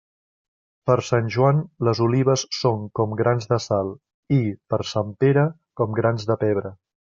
Per Sant Joan les olives són com grans de sal; i, per Sant Pere, com grans de pebre.